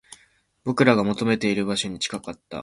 僕らが求めている場所に近かった